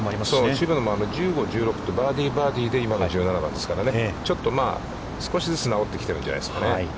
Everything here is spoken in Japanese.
渋野も１５、１６と、バーディー、バーディーで今の１７番ですからね、少しずつ直ってきているんじゃないですかね。